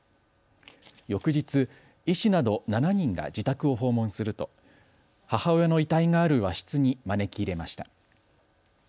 翌日、医師など７人が自宅を訪問すると、母親の遺体がある和室に招き入れました。